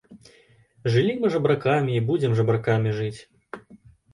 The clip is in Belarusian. Жылі мы жабракамі і будзем жабракамі жыць.